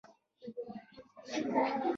شپون فکر وکړ چې دا سپی دی.